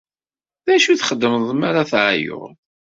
D acu i txeddmeḍ mi ara ad teɛyuḍ?